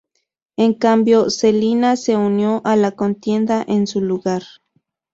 En cambio, Selina se unió a la contienda en su lugar.